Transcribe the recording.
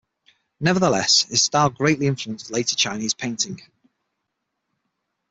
Nevertheless, his style greatly influenced later Chinese painting.